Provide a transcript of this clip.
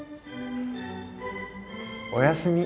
おやすみ。